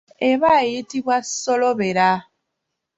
Eba eyitibwa solobera.